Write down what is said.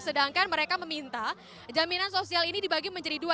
sedangkan mereka meminta jaminan sosial ini dibagi menjadi dua